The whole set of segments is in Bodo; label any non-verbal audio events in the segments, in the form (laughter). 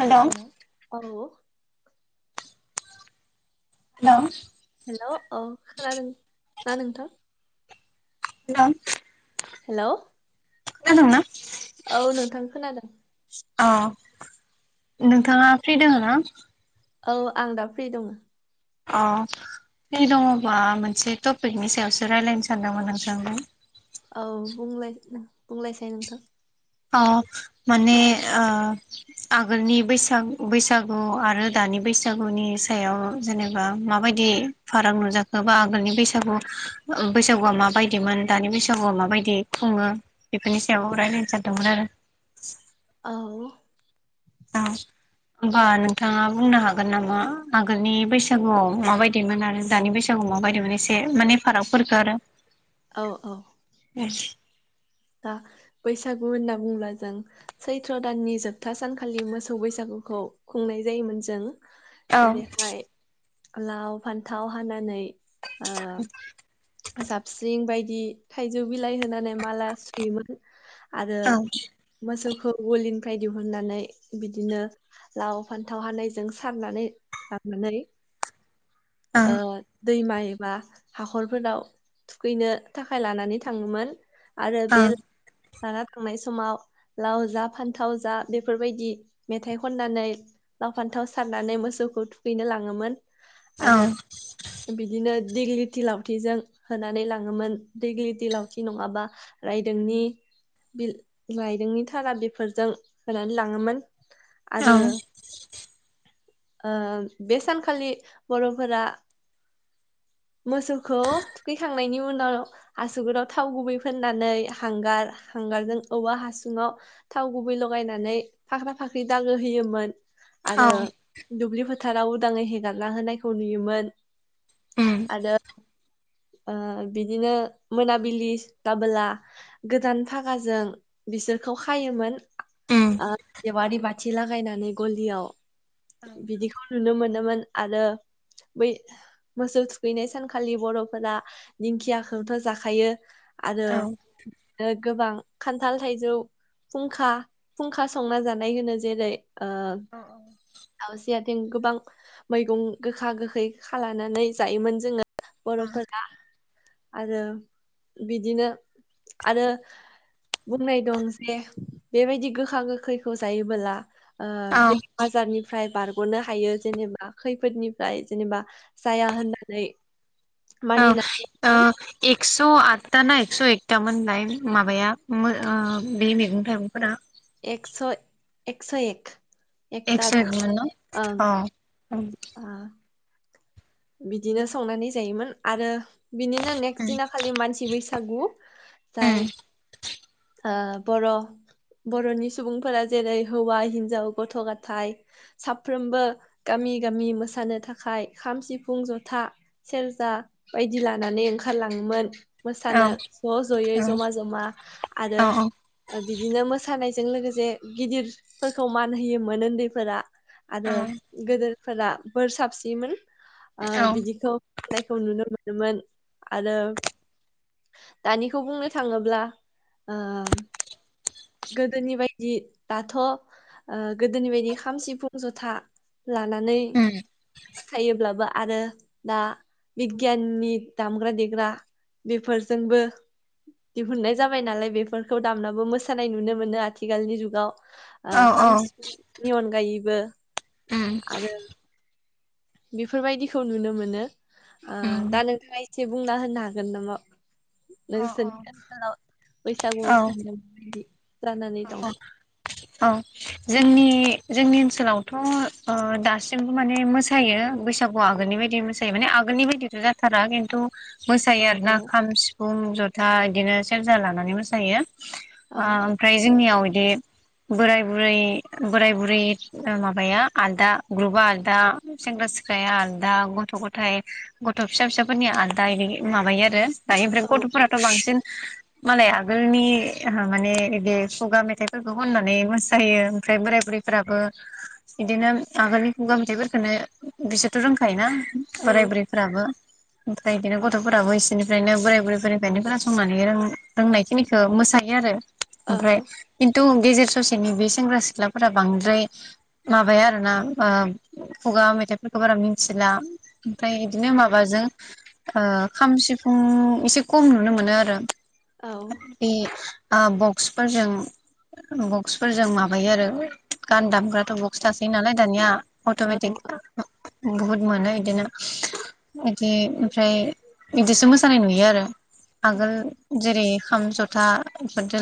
हेलौ हेल' औ हेल' हेल' औ खोनादों ना नोंथां हेल' हेल' खोनादों ना? औ नोंथां खोनादों अ नोंथाङा फ्रि दोङो ना? औ आं दा फ्रि दङ अ फ्रि दङबा मोनसे टपिकनि सायावसो रायज्लायनो सानदोंमोन नोंथां औ बुंलाय बुंलायसाय नोंथां औ माने ओ आगोलनि बैसाग बैसागु आरो दानि बैसागुनि सायाव जेनेबा माबायदि फाराग नुजाखो बा आगोलनि बैसागु बैसागुआ माबायदिमोन दानि बैसागुआ माबायदि खुङो बेफोरनि सायाव रायज्लायनो सानो (unintelligible) (unintelligible) औ औ होमबा नोंथाङा बुंनो हागोन नामा आगोलनि बैसागुआव माबायदिमोन आरो दानि बैसागुआव माबायदिमोन एसे माने फारागफोरखो आरो औ औ दा बैसागु होनना बुङोब्ला जों सैथ्र' दाननि जोबथा सानखालि मोसौ बैसागुखौ खुंनाय जायोमोन जों औ जेरैहाय लाव फान्थाव हानानै ओ जाबस्रिं बायदि थाइजौ बिलाइ होनानै माला सुयोमोन आरो औ मोसौखौ गलिनिफ्राय दिहुननानै बिदिनो लाव फान्थाव हानायजों सारनानै लांनानै औ ओ दैमाय एबा हाखरफोराव थुखैनो थाखाय लानानै थाङोमोन। आरो बेल लाना थांनाय समाव लाव जा फान्थाव जा बेफोरबायदि मेथाइ खननानै लाव फान्थाव सारनानै मोसौखौ थुखैनो लाङोमोन औ आरो बिदिनो दिगलिथि लावथिजों होनानै लाङोमोन दैग्लि दैलावथि नङाबा रायदोंनि बिल रायदोंनि थारा बेफोरजों होनानै लाङोमोन औ आरो ओ बे सानखालि बर'फोरा मोसौखौ फैखांनायनि उनाव आसुगदाव थाव गुबै फोननानै हांगार हांगारजों औवा हासुङाव थाव गुबै लगायनानै फाख्रा फाख्रि दागो होयोमोन औ आरो दुब्लि फोथ फोथाराव उदाङै हेगारना होनायखौ नुयोमोन उम आरो ओ बिदिनो मोनाबिलि दाबोला गोदान फागाजों बिसोरखौ खायोमोन उम ओ जेवारी बाथि साथि लागायनानै गलियाव औ बिदिखौ नुनो मोनो मोन आरो बै मोसौ थुखैनाय सानखालि बर' फोरा दिंखियाखौथ' जाखायो आरो औ गोबां खान्थाल थाइजौ फुंखा फुंखा संना जानाय होनो जेरै ओ आवसे गोबां मैगं गोखा गोखै खालाम लानानै जायोमोन जोङो औ बर'फोर आरो बिदिनो आरो बुंनाय दं जे बेबायदि गोखा गोखैखौ जायोबोला ओ औ बेमार आजारनिफ्राय बारग'नो हायो जेनेबा खैफोदनिफ्राय जेनेबा जाया होननानै औ मानिनानै ओ दंमोन एक्स खौ आतथा ना एकस' एकथाामोनलाय माबाया ओ बे मैगं थाइगंफोरा एकस' एकस' एक एकथा एस' एक रोखोम ओं औ उम ओ बिदिनो संनानै जायोमोन आरो बिनिनो नेक्स्ट उम दिना खालि मानसि बैसागु उम जाय उम बर' बर'नि सुबुंफोरा जेरै हौवा हिन्जाव गथ' गथायाइ साफ्रोमबो गामि गामि मोसानो थाखाय खाम सिफुं सिफुं जथा सेरजा बायदि लानानै ओंखारलाङोमोन औ मोसानो ज' ज'यै जमा जमा आरो औ बिदिनो मोसानाय जों लोगोसे गिदिरफोरखौ मान होयोमोन उन्दैफोरा आरो औ गोदोर फोरा बोर साबसिमोन ओ औ बिदिखौ नायखौ नुनो मोनोमोन आरो दानिखौ बुंनो थाङोब्ला ओ गोदोनि बायदि दाथ' ओ गोदोनि बायदि खाम सिफुं जथा लानानै उम थायोब्लाबा आरो दा बिगियाननि दामग्रा देग्रा बेफोरजोंबो दिहुननाय जाबाय नालाय बेफोरखौ दामनाबो मोसा मोसानाय नुनो मोनो आथिखालनि जुगाव। औ ओ औ खाम सिफुं नि अनगायै बो उम आरो बेफोरबायदिखौ नुनो मोनो ओ उम दा नोंथाङा एसे बुंना होनो हागोन नामा? औ औ (unintelligible) अ दं अ (inaudible) औ जोंनि जोंनि ओनसोलावथ' ओ दासिमबो माने मोसायो बैसागुआ आगोलनि बायदि मोसायो माने आगोलनि बायदिथ' जाथारा खिन्थु औ मोसायो आरो औ ना खाम सिफुं जथ दा इदिनो सेरजा लानानै मोसायो। ओ औ ओमफ्राय जोंनियाव इदि बोराय बुरै बोराय बुरै ओ माबाया आलदा ग्रुपा आलदा सेंग्रा सिख्लाया आलदा गथ' गथाइ गथ' फिसा फिसाफोरनिया आलदा इदि माबायो आरो दायो ओमफ्राय औ गथ'फोराथ' बांसिन मालाय आगोलनि आहा माने इदि खुगा मेथाइफोरखौ खननानै मोसायो ओमफ्राय बोराय बुरैफोराबो इदिनो आगोलनि खुगा मेथाइफोरखोनो बिसोरथ' रोंखायोना औ बोराय बुरैफ्राबो ओमफ्राय इदिनो गथ'फोराबो इसोरनिफ्रायनो बोराय बुरैफोरनिफ्रायनो खोनासंनानै रों-रोंनाय खिनिखौ मोसायो आरो औ ओमफ्राय खिन्थु गेजेर ससेनि बे सेंग्रा सिख्लाफोरा बांद्राय माबाया आरोना ओ खुगा मेथाइफोरखौ बारा मिनथिला ओमफ्राय इदिनो माबाजों खाम सिफुं एसे खम नुनो मोनो आरो बे आ ब बक्सफोरजों बक्सफोरजों माबायो आरो गान दामग्राथ' बक्स थासै नालाय दानिया अट' मेटिक बुहुत मोनो इदिनो इदि ओमफ्राय इदिसो मोसानाय नुयो आरो आगोल जेरै खाम जथा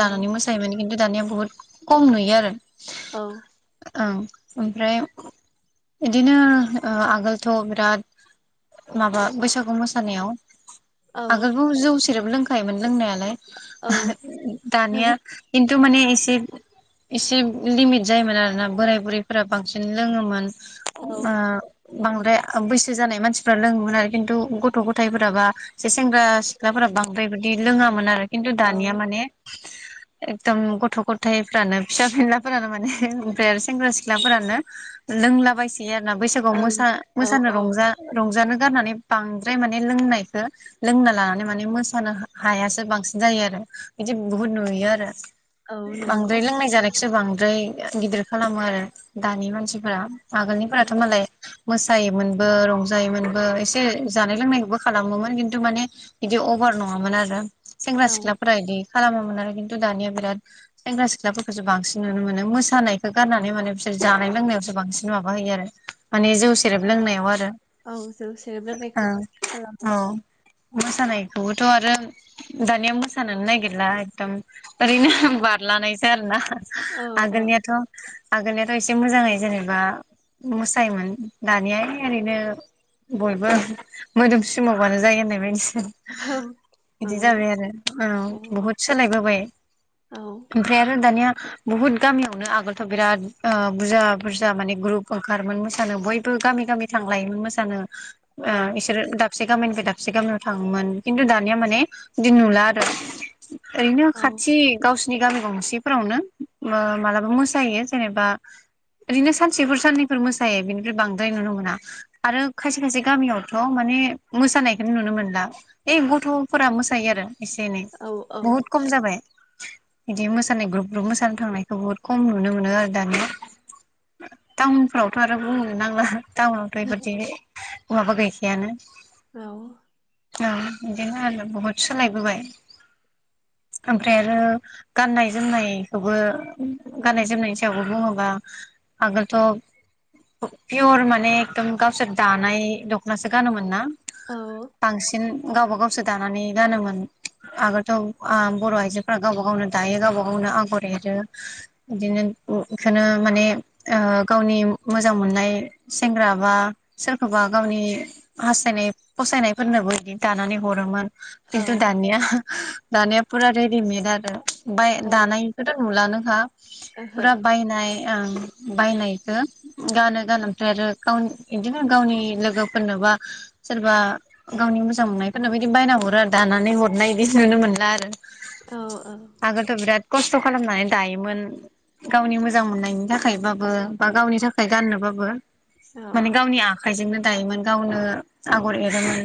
लानानै मोसायोमोन दानिया बुहुत खम नुयो आरो। औ। ओं ओमफ्राय इदिनो ओ आगोलथ' बिराद माबा बैसागु मोसानायाव आगोलबो जौ सेरेब लों खायमोन लोंनायालाय। (unintelligible) दानिया इन थो माने एसे एसेब लिमिट जायोमोन आरो ना बोराय बुरिफोरा बांसिन लोङोमोन। आ बांद्राय बैसो जानाय मानसिफोरा लोङोमोन आरो खिन्थु गथ' गथायाइफोराबा जे सेंग्रा सिख्लाफोरा बांद्राय बिदि लोङामोन आरो। खनथु दानिया माने एकदम गथ' गथायाइफ्रानो फिसा फिनलाफोरानो माने ओमफ्राय आरो सेंग्रा सिख्लाफोरानो लोंलाबाय इदि आरोना बैसागुआव औ मोसा-मोसानो औ रंजा-रंजानो गारनानै बांद्राय माने लोंनायखो लोंना लानानै मान मोसानो हायासो बांसिन जायो आरो। बिदि बहुत नुयो आरो। औ नंगौ बांद्राय लोंनाय जानाय सो बांद्राय गिदिर खालामो आरो दानि मानसिफोरा। आगोलनिफोराथ' औ मालाय मोसायोमोनबो रंजायोमोनबो एसे जानाय लोंनायखौबो खालामोमोन किनतु माने बिदि अभार नङामोन आरो सेंग्रा सिख्लाफोरा इदि खालामामोन आरो खिन्थु दानिया बिराद सेंग्रा सिख्लाफोरखौसो बांसिन नुनो मोनो मोसानायखौ गारनानै माने बिसोर जानाय लोंनायावसो बांसिन माबा होयो आरो माने जौ सेरेब लोंनायाव आरो औ जौ सेरेब औ लोंनायखौ बिदि औ खालामो मोसानायखौबोथ' आरो दानिया मोसानो नागि ला एकदम ओरैनो बारलानायसो आरो ना। औ औ आगोलनियाथ' आगोलनियाथ' एसे मोजाङै जेनेबा मोसायोमोन दानिया ओरैनो बयबो मोदोमसिमावबानो जायो होननाय बादि औ बिदि नंगौ जाबाय आरो औ। बहुद सोलायबोबाय। औ ओमप्राय आरो दानिया बुहुत गामियावनो आगोलथ' बिराद ओ बुरजा बुरजा माने ग्रुप ओंखारोमोन मोसानो बयबो गामि गामि थांलायोमोन मोसानो। आ औ इसोरो दा दाबसे गामिनिफ्राय दाबसे गामियाव थाङोमोन खिन्थु दानिया माने बिदि नुला आरो। ओरैनो औ खाथि गावसोर नि गामि गंसेफोरावनो ओ मालाबा मोसायो जेनेबा ओरैनो सानसेफोर साननैफोर मोसायो बेनिफ्राय बांद्राय नुनो मोना आरो खायसे खायसे गामियावथ' माने मोसानायखो नुनो मोनला इ गथ'फोरा मोसायो आरो। एसे एनै औ औ। बहुद खम जाबाय बिदि मोसानाय ग्रुप ग्रुप मोसानो थांनायखौ बुहुद खम नुनो मोनो आरो दानिया टाउनफ्रावथ' आरो बुंनो नांला। टाउनावथ' (unintelligible) बहाबा गैखायानो। औ। औ बिदिनो आरो बहुद सोलायबोबाय। ओमफ्राय आरो गाननाय जोमनायखौबो गाननाय जोमनायनि सायावबो बुङोबा आगोलथ' पियर माने एकदम गावसोर दानाय दख'नासो गानोमोन ना। औ बांसिन गावबा गावसो दानानै गानोमोन आगोलथ। ओ बर' आइजोफ्रा गावबा गावनो दायो गावबा गावनो आगर एरो बिदिनो बेखौनो माने ओ गावनि मोजां मोननाय सेंग्रा बा सोरखौबा गावनि हास्थायनाय फसायनायफोरनोबो बिदि दानानै हरोमोन। औ खिन्थु दानिया दानिया फुरा रेडिमेड आरो। (unintelligible) ओहो दानायखौथ' नुलानो खा। औ फुरा बायनाय। ओं बायनायखौ गानो गान ओमफ्राय आरो गाव बिदिनो गावनि लोगोफोरनो बा सोरबा गावनि मोजां मोननायफोरनोबो बिदि बायना हरो आरो दानानै हरनाय बिदि नुनो मोनो। (unintelligible) औ औ। बिराद खस्थ' खालामनानै दायोमोन गावनि मोजां मोननायनि थाखायबाबो बा गावनि थाखाय गाननोबाबो। माने गावनि आख आखाइजोंनो दायोमोन गावनो आगर एरोमोन।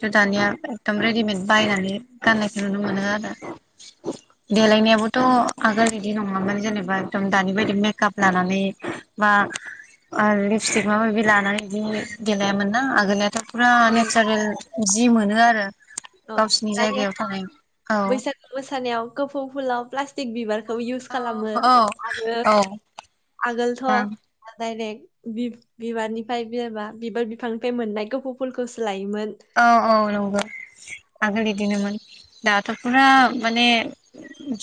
ज औ दानिया एकदम रेडिमेद। बायनानै गाननाय नुनो मोनो आरो देलायनायाबोथ' आगोल बिदि नङामोन जेनेबा एकदम दानि बायदि मेकाप लानानै बा ओ लिपस्टिक माबा माबि लानानै बिदि देलायामोन ना आगोल फुरा औ औ नेचारेल (unintelligible) जि मोनो आरो। औ गावसिनि जायगायाव दानियाथ' थानाय औ बैसागु मोसानायाव गोफौ फुलाव प्लास्टिक (unintelligible) औ खालामो औ औ। बां गोलथ' डायरेक्ट बि-बिबारनिफ्राय बिबा बिबार बिफांनिफ्राय मोननाय खोफ' फुलखौसो लायो औ औ नंगौ आगोल बिदिनोमोन। दाथ' फुरा माने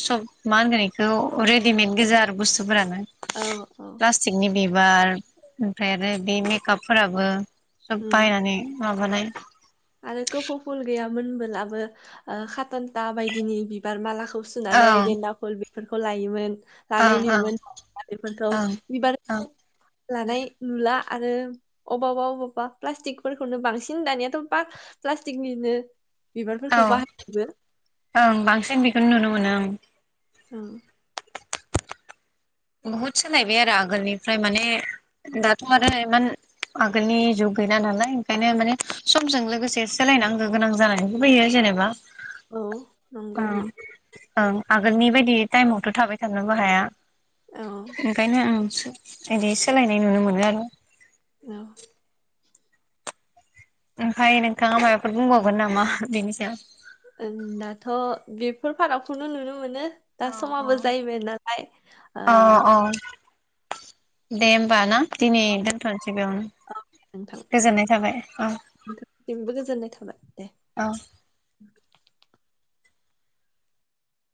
सब मा होनगोन बेखौ रेडिमेद गोजा आरो बुस्थुफोरानो। औ औ प्लास्टिकनि बिबार ओमफ्राय आरो बे मेकापफोराबो सब उम बायनानै माबानाय (inaudible) आरो कोपौ फुल गैयामोनबोलाबो ओ खाटन्था बायदिनि बिबार मालाख सुनानै ओं गेन्दा फुल बि फोरखौ लायोमोन। ओं लानाय ओं नुयोमोन बेफोरखौ ओं बिबार ओं लानाय नुला आरो अबावबा अबावबा प्लास्टिकफोरखौनो बांसिन दानियाथ पा प्लासटिकनिनो औ ओं बांसिन बेखौनो नुनो मोनो ओं औ बहुद सोलायबाय आरो आगोलनिफ्राय माने दाथ आरो इमान आगोलनि जुग गैला नालाय ओंखायनो माने समजों लोगोसे सोलायनांगौ गोनां जानानैबो फैयो जेनेबा औ नंगौ ओं बि ओं आगोलनि बायदि टाइमावथ थाबाय थानोबो हाया औ ओंखायनो आं इदि सोलायनाय नुनो मोनो आरो। औ ओमफाय नोंथाङा मायबाफोर बुंबावगोन नामा बेनि सायाव? दाथ बेफोर फारागखौनो नुनो मोनो। दा औ समाबो जायैबाय नालाय ओ औ औ दे होमबा ना दिनै दोनथनोसै बेयावनो गोजोननाय थाबाय औ नोंथांसिमबो गोजोननाय थाबाय दे। औ